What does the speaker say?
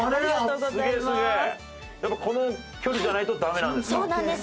やっぱこの距離じゃないとダメなんですか？